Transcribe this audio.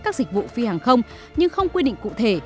các dịch vụ phi hàng không nhưng không quy định cụ thể